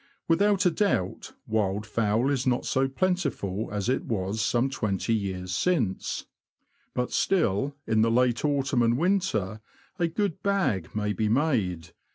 Without a doubt, wildfowl is not so plentiful as it was some twenty years since ; but still, in the late NORWICH TO YARMOUTH. 109 autumn and winter, a good bag may be made.